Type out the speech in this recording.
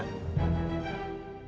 harus yang ringan